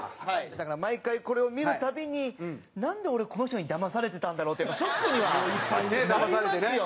だから毎回これを見る度になんで俺この人にだまされてたんだろうってやっぱショックにはなりますよ。